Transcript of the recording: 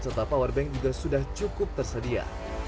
serta powerbank juga sudah cukup tersedia